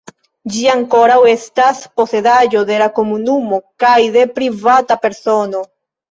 Ĝi ankoraŭ estas posedaĵo de la komunumo kaj de privata persono.